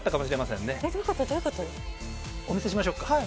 お見せしましょうか。